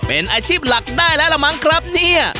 เป็นอาชีพหลักได้แล้วล่ะมั้งครับเนี่ย